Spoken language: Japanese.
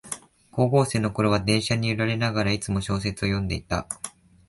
高校生のころは電車に揺られながら、いつも小説を読んでいた